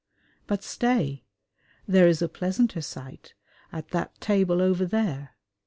But stay! there is a pleasanter sight, at that table over there.